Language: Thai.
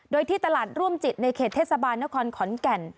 โดยที่ตลาดร่วมจิตในเขตเทศบาลนครขอนแก่น